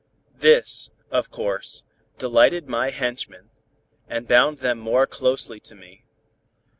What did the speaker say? This, of course, delighted my henchmen, and bound them more closely to me.